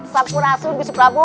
sampurasu gusit prabu